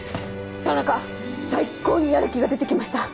田中最高にやる気が出て来ました。